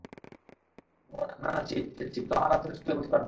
বোন আমার, যাচ্ছি যাচ্ছি, কিন্তু আমার বাচ্চাদের স্কুলে ভর্তি করানোর পর।